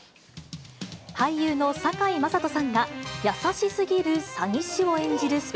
俳優の堺雅人さんが、優しすぎる詐欺師を演じる